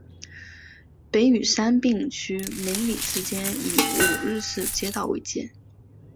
北与杉并区梅里之间以五日市街道为界。